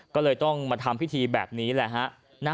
ก็เลยต้องมาทำพิธีแบบนี้แหละฮะ